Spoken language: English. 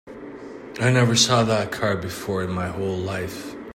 I never saw that car before in my whole life.